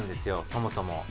そもそも。